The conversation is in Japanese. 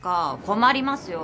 困りますよ。